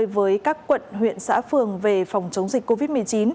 với các quận huyện xã phường về phòng chống dịch covid một mươi chín